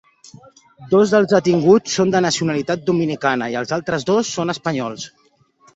Dos dels detinguts són de nacionalitat dominicana i els altres dos són espanyols.